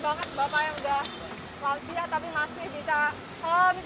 ini amat muat banget bapak yang udah waldia tapi masih bisa